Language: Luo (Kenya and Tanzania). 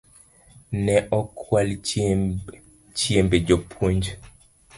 Ne okwal chiembe jopuonj